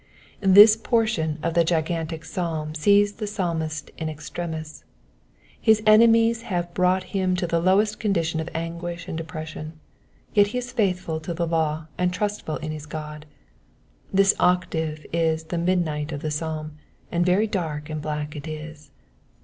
This portion of the gigantic psalm sees the Psalmist in extremis. His enemies have brought him to the lowest condition of anguish and depression ; jet he is faithful to the law and trustful in his God. This octave is the mid night of the psalm, and very dark and black it is.